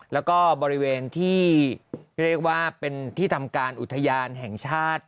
แล้วก็บริเวณที่เรียกว่าเป็นที่ทำการอุทยานแห่งชาติ